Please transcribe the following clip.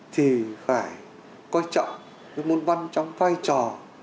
thì phải coi trọng cái môn văn trong vai trò